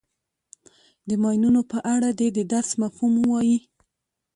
د ماینونو په اړه دې د درس مفهوم ووایي.